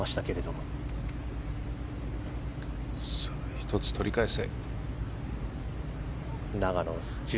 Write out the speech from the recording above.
１つ取り返せ。